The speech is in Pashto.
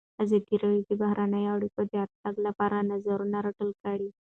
ازادي راډیو د بهرنۍ اړیکې د ارتقا لپاره نظرونه راټول کړي.